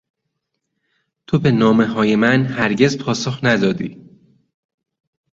تو به نامههای من هرگز پاسخ ندادی.